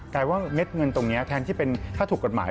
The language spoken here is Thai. กลายว่าเม็ดเงินตรงนี้ถ้าถูกกฎหมาย